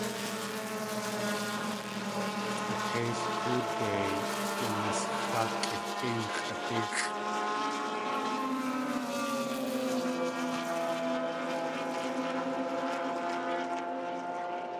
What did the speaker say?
K̲ʼateil tóodei yanasxá kʼidéin x̲ʼadíxʼ!